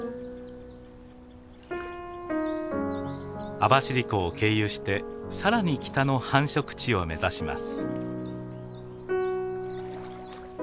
網走湖を経由して更に北の繁殖地を目指します。